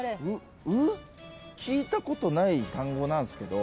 聞いたことない単語なんすけど。